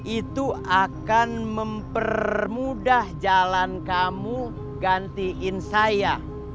itu akan mempermudah jalan kamu gantiin saya